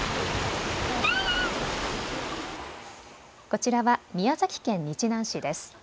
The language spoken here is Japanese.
こちらは宮崎県日南市です。